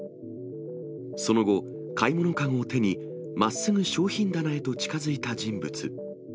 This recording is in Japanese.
その後、買い物籠を手に、まっすぐ商品棚へと近づいた人物。